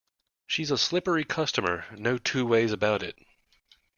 She's a slippery customer, no two ways about it.